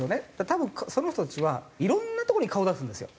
多分その人たちはいろんなとこに顔出すんですよ。